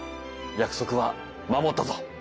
約束は守ったぞ。